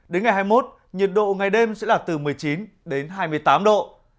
đến ngày hai mươi một nhiệt độ ngày đêm sẽ là từ một mươi chín đến hai mươi tám độ